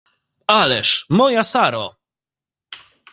— Ależ, moja Saro!